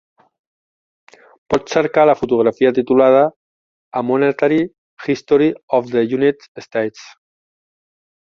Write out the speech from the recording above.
Pots cercar la fotografia titulada A Monetary History of the United States?